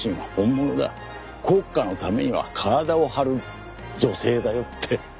「国家のためには体を張る女性だよ」って。